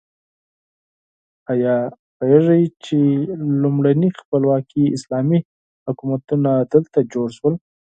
ایا پوهیږئ چې لومړني خپلواکي اسلامي حکومتونه دلته جوړ شول؟